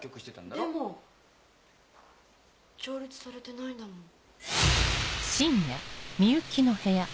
でも調律されてないんだもん。